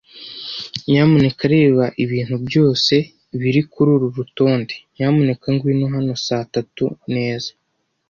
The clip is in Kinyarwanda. Nyamuneka reba ibintu byose biri kururu rutonde. Nyamuneka ngwino hano saa tatu neza.